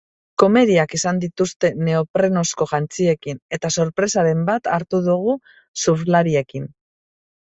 Komeriak izan dituzte neoprenozko jantziekin, eta sorpresaren bat hartu dugu surflariekin.